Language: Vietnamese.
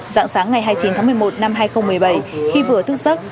dạng sáng ngày hai mươi chín tháng một mươi một năm hai nghìn một mươi bảy khi vừa thức